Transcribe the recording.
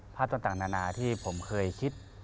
ต่างนานาที่ผมเคยคิด